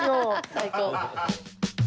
最高。